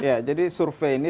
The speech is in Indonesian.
iya jadi survei ini